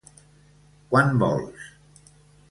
Quant vols?